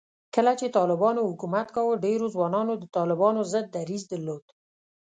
کله چې طالبانو حکومت کاوه، ډېرو ځوانانو د طالبانو ضد دریځ درلود